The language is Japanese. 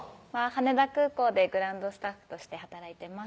羽田空港でグランドスタッフとして働いてます